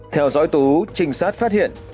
theo dõi tú trinh sát phát hiện